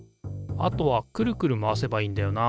あとはくるくる回せばいいんだよな